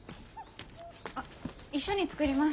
あっ一緒に作ります。